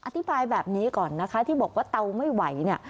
อธิบายแบบนี้ก่อนนะคะที่บอกว่าเตาไม่ไหวเนี่ย